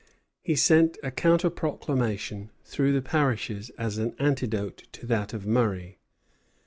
He sent a counter proclamation through the parishes as an antidote to that of Murray.